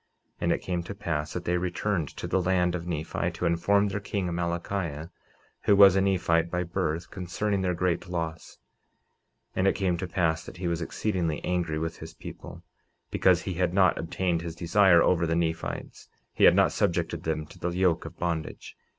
And it came to pass that they returned to the land of Nephi, to inform their king, Amalickiah, who was a Nephite by birth, concerning their great loss. 49:26 And it came to pass that he was exceedingly angry with his people, because he had not obtained his desire over the Nephites; he had not subjected them to the yoke of bondage.